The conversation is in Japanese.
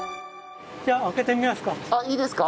じゃあ開けてみますか。